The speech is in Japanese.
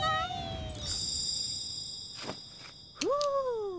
ふう。